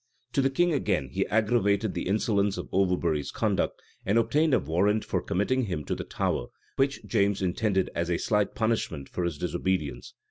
[] To the king again, he aggravated the insolence of Overbury's conduct, and obtained a warrant for committing him to the Tower, which James intended as a slight punishment for his disobedience.